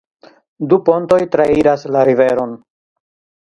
Du pontoj trairas la riveron.